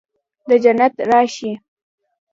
د جنت راشي